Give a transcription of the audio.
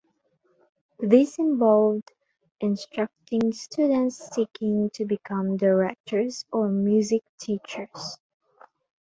This involved instructing students seeking to become directors or music teachers.